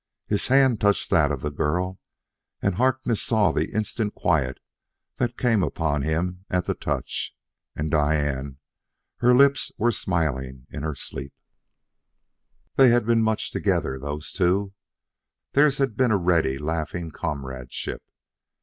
His hand touched that of the girl, and Harkness saw the instant quiet that came upon him at the touch. And Diane her lips were smiling in her sleep. They had been much together, those two; theirs had been a ready, laughing comradeship.